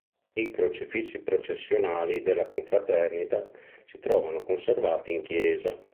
I crocifissi processionali della confraternita si trovano conservati in chiesa.